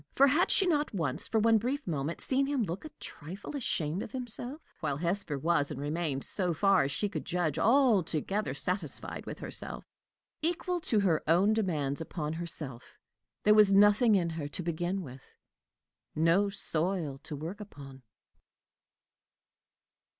For had she not once, for one brief moment, seen him look a trifle ashamed of himself? while Hesper was and remained, so far as she could judge, altogether satisfied with herself. Equal to her own demands upon herself, there was nothing in her to begin with no soil to work upon.